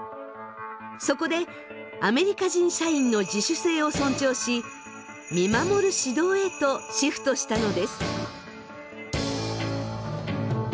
そこでアメリカ人社員の自主性を尊重し見守る指導へとシフトしたのです。